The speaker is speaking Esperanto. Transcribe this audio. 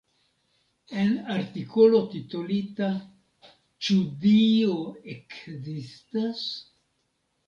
En artikolo titolita "Ĉu Dio ekzistas?